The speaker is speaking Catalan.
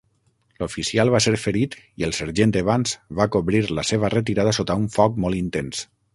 L'oficial va ser ferit i el sergent Evans va cobrir la seva retirada sota un foc molt intens.